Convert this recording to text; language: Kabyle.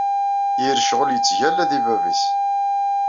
Yir ccɣel yettgalla di bab-is.